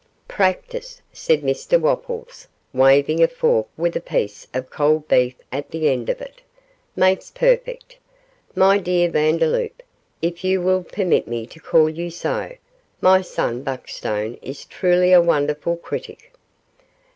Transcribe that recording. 'Practise,' said Mr Wopples, waving a fork with a piece of cold beef at the end of it, 'makes perfect. My dear Vandeloup, if you will permit me to call you so, my son Buckstone is truly a wonderful critic.